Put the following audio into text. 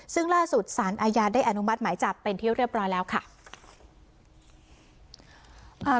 ซึ่งล่าสุดสารอาญาได้อนุมัติหมายจับเป็นที่เรียบร้อยแล้วค่ะ